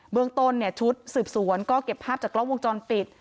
เมืองต้นชุดสืบสวนก็เก็บภาพจากกล้องวงจรปิด